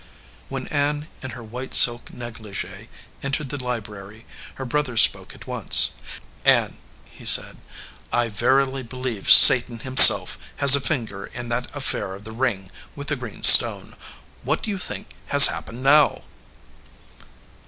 When Ann in her white silk negligee entered the library, her brother spoke at once. "Ann," he said, "I verily believe Satan himself has a finger in that affair of the ring with the green stone. What do you think has happened now